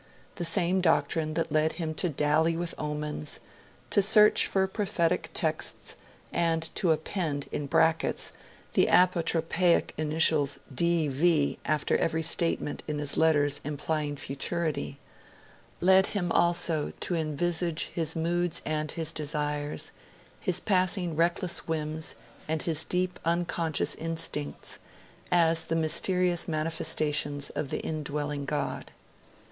The same doctrine that led him to dally with omens, to search for prophetic texts, and to append, in brackets, the apotropaic initials D.V. after every statement in his letters implying futurity, led him also to envisage his moods and his desires, his passing reckless whims and his deep unconscious instincts, as the mysterious manifestations of the indwelling God.